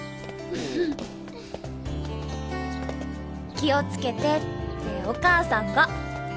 気を付けてってお母さんが。